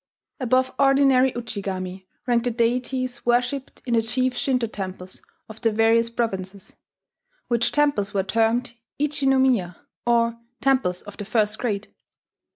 Above ordinary Ujigami ranked the deities worshipped in the chief Shinto temples of the various provinces, which temples were termed Ichi no miya, or temples of the first grade.